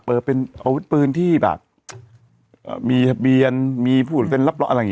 เปิดเป็นเอาวิทย์ปืนที่แบบอ่ามีทะเบียนมีผู้โดยเต้นรับร้ออะไร